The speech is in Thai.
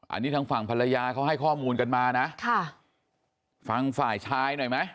อันนี้ทางฝั่งภรรยาเขาให้ข้อมูลกันมานะค่ะฟังฝ่ายชายหน่อยไหม